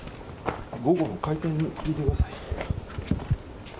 午後の会見で聞いてください。